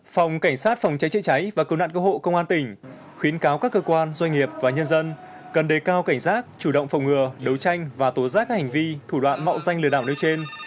phòng cảnh sát phòng cháy chữa cháy và cứu nạn cứu hộ công an tỉnh khuyến cáo các cơ quan doanh nghiệp và nhân dân cần đề cao cảnh giác chủ động phòng ngừa đấu tranh và tố giác các hành vi thủ đoạn mạo danh lừa đảo nơi trên